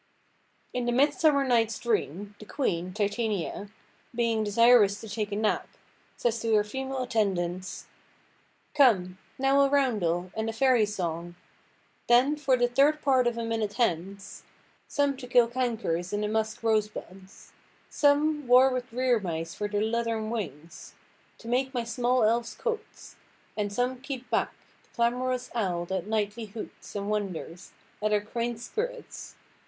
In The Midsummer Night's Dream, the queen, Titania, being desirous to take a nap, says to her female attendants— "Come, now a roundel, and a fairy song; Then, for the third part of a minute hence; Some to kill cankers in the musk–rosebuds; Some, war with rear–mice for their leathern wings, To make my small elves coats; and some keep back The clamorous owl that nightly hoots, and wonders At our quaint spirits.